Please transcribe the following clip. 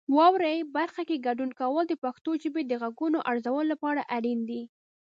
واورئ برخه کې ګډون کول د پښتو ژبې د غږونو ارزولو لپاره اړین دي.